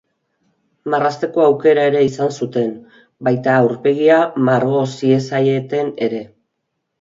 Marrazteko aukera ere izan zuten, baita aurpegia margo ziezaieten ere.